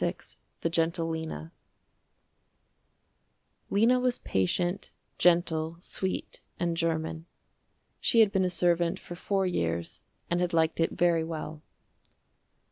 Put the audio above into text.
FINIS THE GENTLE LENA Lena was patient, gentle, sweet and german. She had been a servant for four years and had liked it very well.